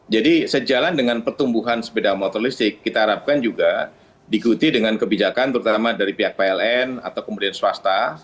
jadi sejalan dengan pertumbuhan sepeda motor listrik kita harapkan juga diikuti dengan kebijakan terutama dari pihak pln atau kemudian swasta